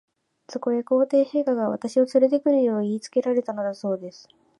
そこへ、皇帝陛下が、私をつれて来るよう言いつけられたのだそうです。